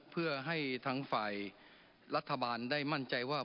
เพื่อให้ทางฝ่ายรัฐบาลได้มั่นใจว่า